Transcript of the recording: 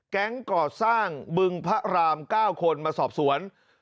แก๊งก่อสร้างบึงพระราม๙คนมาสอบสวน